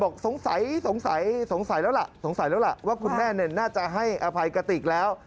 สงสัยสงสัยแล้วล่ะสงสัยแล้วล่ะว่าคุณแม่น่าจะให้อภัยกติกแล้ว